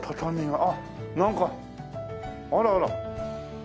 あっなんかあらあら。